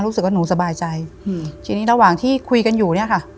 รู้สึกว่าหนูสบายใจอืมทีนี้ระหว่างที่คุยกันอยู่เนี่ยค่ะ